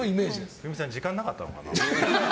冬美さん、時間なかったのかな？